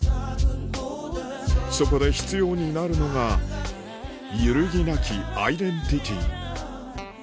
そこで必要になるのが揺るぎなきアイデンティティー